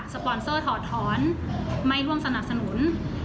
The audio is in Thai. ปอนเซอร์ถอดถอนไม่ร่วมสนับสนุน